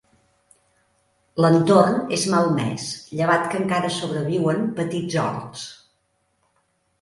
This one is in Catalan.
L'entorn és malmès, llevat que encara sobreviuen petits horts.